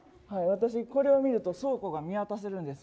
私これを見ると倉庫が見渡せるんです。